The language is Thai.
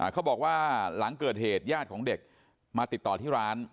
เขาบอกว่าหลังเกิดเหตุญาติของเด็กมาติดต่อที่ร้าน